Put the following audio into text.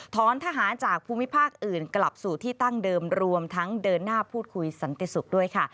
ทหารจากภูมิภาคอื่นกลับสู่ที่ตั้งเดิมรวมทั้งเดินหน้าพูดคุยสันติสุขด้วยค่ะ